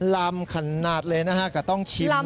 ลำขนาดเลยนะฮะก็ต้องชิมแล้ว